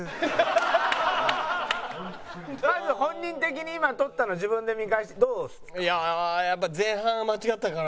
まず本人的に今取ったのを自分で見返してどうですか？